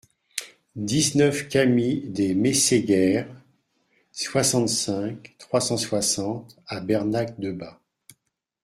dix-neuf cami de Mességuères, soixante-cinq, trois cent soixante à Bernac-Debat